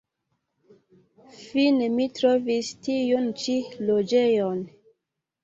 Fine mi trovis tiun ĉi loĝejon.